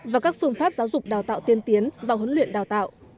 và các phương pháp giáo dục đào tạo tiên tiến vào huấn luyện đào tạo